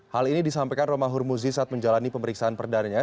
hal ini disampaikan romahur muzi saat menjalani pemeriksaan perdana